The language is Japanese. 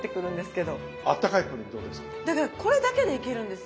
だけどこれだけでいけるんですよ。